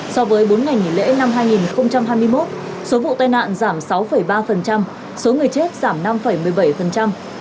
so với bốn ngày nghỉ lễ năm hai nghìn hai mươi một số vụ tai nạn giảm sáu ba số người chết giảm năm một mươi bảy